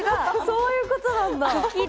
そういうことなんだ。